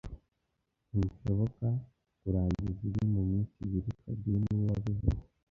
Ntibishoboka kurangiza ibi muminsi ibiri fabien niwe wabivuze